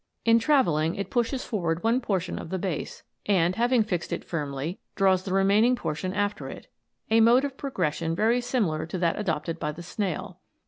In travelling it pushes forward one poi tion of the base, and having fixed it firmly, draws the remaining portion after it, a mode of progression very similar to that adopted by the snail.